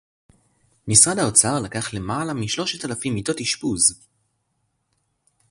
משרד האוצר לקח למעלה משלושת אלפים מיטות אשפוז